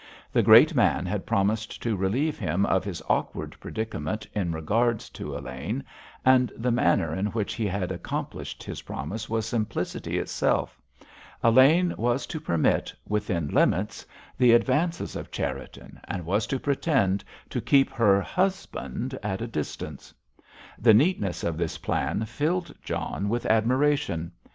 The great man had promised to relieve him of his awkward predicament in regard to Elaine, and the manner in which he had accomplished his promise was simplicity itself. Elaine was to permit—within limits—the advances of Cherriton, and was to pretend to keep her "husband" at a distance! The neatness of this plan filled John with admiration.